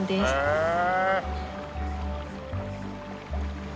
へえ！